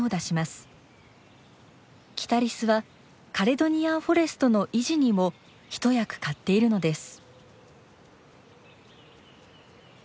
キタリスはカレドニアンフォレストの維持にも一役買っているのです。